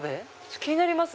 気になります。